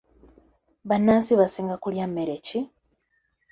Bannansi basinga kulya mmere ki?